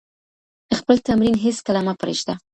خپل تمرین هیڅکله مه پریږده.